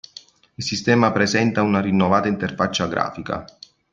Il sistema presenta una rinnovata interfaccia grafica.